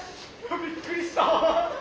びっくりした！